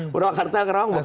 burakarta kerawang bekasi